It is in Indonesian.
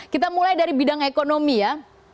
kita mulai dari bidang ekonomi ya